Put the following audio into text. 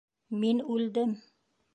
Мин үлдем!